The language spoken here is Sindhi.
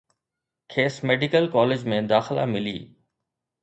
کيس ميڊيڪل ڪاليج ۾ داخلا ملي